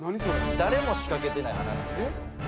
誰も仕掛けてない穴なんですよ。